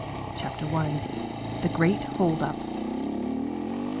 CHAPTER I. THE GREAT HOLD UP.